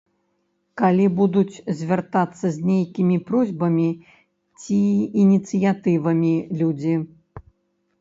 Калі будуць звяртацца з нейкімі просьбамі ці ініцыятывамі людзі.